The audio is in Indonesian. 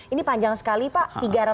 ini panjang sekali pak